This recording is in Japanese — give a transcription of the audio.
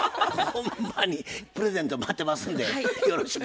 プレゼント待ってますんでよろしく。